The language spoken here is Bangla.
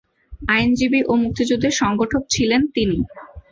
আইনজীবী ও মুক্তিযুদ্ধের সংগঠক ছিলেন তিনি।